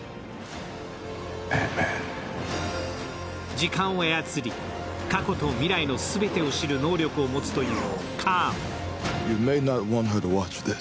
時間を操り、過去と未来の全てを知る能力を持つというカーン。